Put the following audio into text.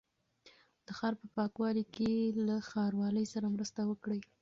د ښار په پاکوالي کې له ښاروالۍ سره مرسته وکړئ.